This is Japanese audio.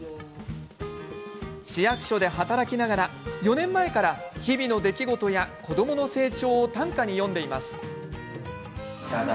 市役所で働きながら４年前から日々の出来事や、子どもの成長を短歌に詠んでいます。